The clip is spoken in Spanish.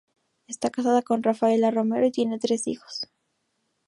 Está casado con Rafaela Romero y tiene tres hijos.